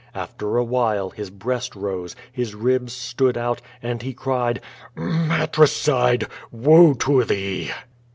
After a while his breast rose, his ribs stood out, and he cried: "Matricide, woe to thee!"